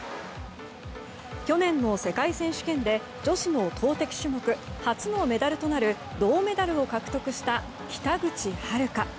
去年の世界選手権で女子の投てき種目初のメダルとなる銅メダルを獲得した北口榛花。